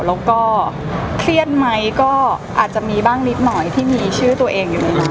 แล้วก็เครียดไหมก็อาจจะมีบ้างนิดหน่อยที่มีชื่อตัวเองอยู่ในนั้น